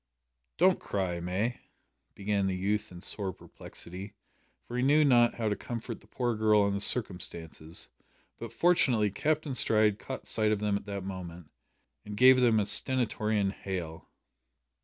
"Don't cry, May," began the youth in sore perplexity, for he knew not how to comfort the poor girl in the circumstances, but fortunately Captain Stride caught sight of them at the moment, and gave them a stentorian hail.